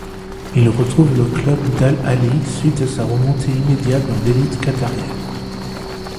Il retrouve le club d'Al Ahli suite à sa remontée immédiate dans l'élite qatarienne.